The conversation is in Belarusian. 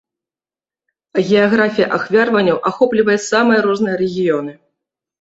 А геаграфія ахвяраванняў ахоплівае самыя розныя рэгіёны.